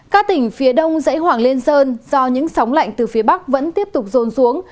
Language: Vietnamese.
các tỉnh phía đông dãy hoàng lên sơn do những sóng lạnh từ phía bắc vẫn tiếp tục rồn xuống